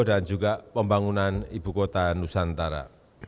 dan juga pembangunan ibu kota nusantara